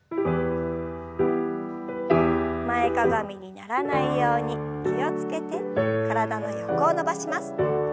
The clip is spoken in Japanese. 前かがみにならないように気を付けて体の横を伸ばします。